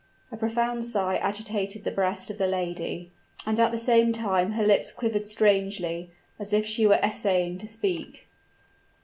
_'" A profound sigh agitated the breast of the lady; and at the same time her lips quivered strangely, as if she were essaying to speak.